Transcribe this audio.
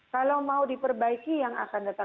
kalau mau diperbaiki yang akan datang